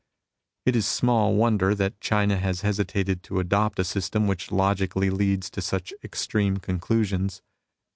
It is small wonder that China has hesitated to adopt a system which logically leads to such extreme conclusions.